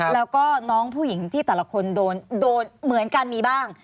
แล้วก็น้องผู้หญิงที่แต่ละคนโดนเหมือนกันมีบ้าง